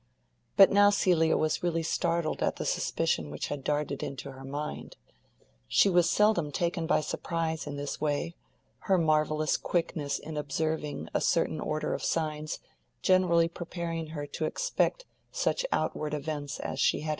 But now Celia was really startled at the suspicion which had darted into her mind. She was seldom taken by surprise in this way, her marvellous quickness in observing a certain order of signs generally preparing her to expect such outward events as she had an interest in.